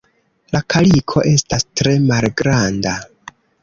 La kaliko estas tre malgranda.